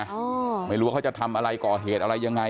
ไม่รู้ว่าเขาจะทำอะไรก่อเหตุอะไรยังไง